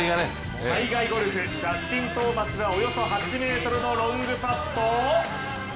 海外ゴルフジャスティン・トーマスがおよそ８ｍのロングパット。